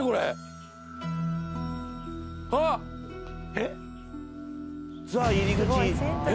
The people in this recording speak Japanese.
えっ？